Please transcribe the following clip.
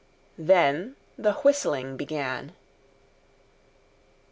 Then the whistling began.